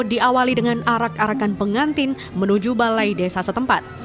diawali dengan arak arakan pengantin menuju balai desa setempat